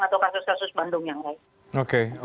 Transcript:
atau kasus kasus bandung yang lain